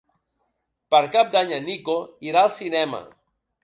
Per Cap d'Any en Nico irà al cinema.